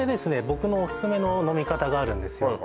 僕のオススメの飲み方があるんですよ